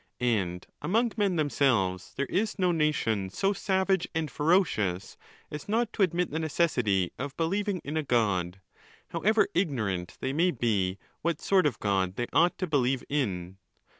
And among men themselves, there is no nation so savage and ferocious as not to admit the necessity of believ ing in a God, however ignorant they may be what sort of God they ought to believe in.